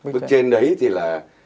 bức trên đấy thì là